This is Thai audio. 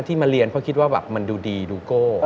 มาเรียนเพราะคิดว่าแบบมันดูดีดูโก้